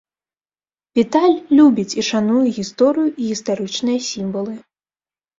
Віталь любіць і шануе гісторыю і гістарычныя сімвалы.